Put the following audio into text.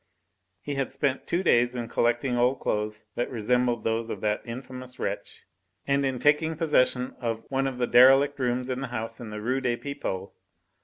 He had spent two days in collecting old clothes that resembled those of that infamous wretch, and in taking possession of one of the derelict rooms in the house in the Rue des Pipots.